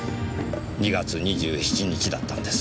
２月２７日だったんです。